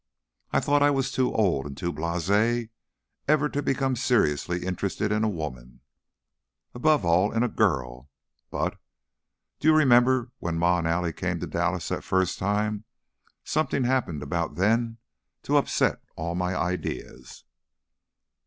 I thought I was too old and too blase ever to become seriously interested in a woman, above all in a girl, but Do you remember when Ma and Allie came to Dallas that first time? Something happened about then to upset all my ideas."